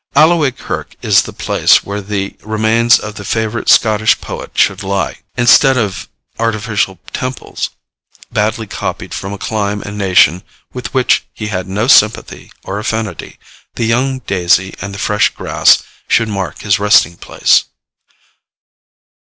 Alloway kirk is the place where the remains of the favorite Scottish poet should lie. Instead of artificial temples, badly copied from a clime and nation with which he had no sympathy or affinity, the young daisy and the fresh grass should mark his resting place.